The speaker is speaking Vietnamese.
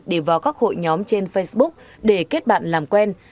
để vào các hội nhóm trên facebook để kết bạn làm quen